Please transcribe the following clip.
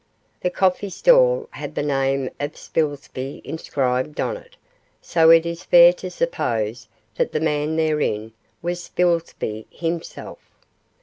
The coffee stall had the name of Spilsby inscribed on it, so it is fair to suppose that the man therein was Spilsby himself.